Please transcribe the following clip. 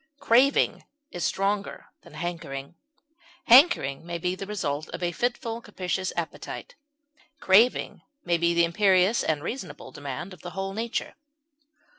Craving is stronger than hankering; hankering may be the result of a fitful and capricious appetite; craving may be the imperious and reasonable demand of the whole nature.